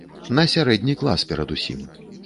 На сярэдні клас перадусім.